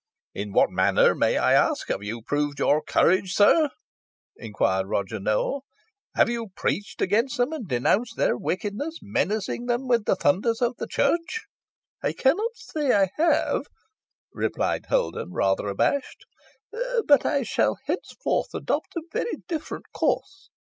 "In what manner, may I ask, have you proved your courage, sir?" inquired Roger Nowell. "Have you preached against them, and denounced their wickedness, menacing them with the thunders of the Church?" "I cannot say I have," replied Holden, rather abashed, "but I shall henceforth adopt a very different course.